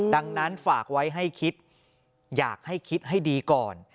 ดังนั้นฝากไว้ให้คิดอยากให้คิดให้ดีก่อน